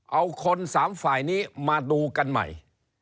เอาคนสามฝ่ายนี้มาดูกันใหม่